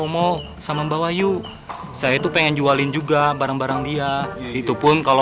makasih kalau begitu